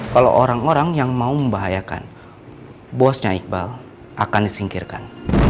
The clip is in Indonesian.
kalau orang orang yang mau membahayakan bosnya iqbal akan disingkirkan